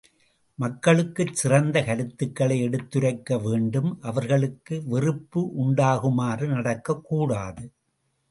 மக்களுக்குச் சிறந்த கருத்துகளை எடுத்துரைக்க வேண்டும் அவர்களுக்கு வெறுப்பு உண்டாகுமாறு நடக்கக் கூடாது.